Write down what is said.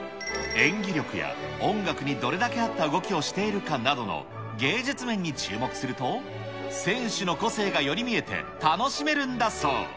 演技力や音楽にどれだけ合った動きをしているかなどの、芸術面に注目すると、選手の個性がより見えて、楽しめるんだそう。